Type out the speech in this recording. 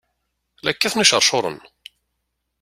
La kkaten iceṛcuṛen!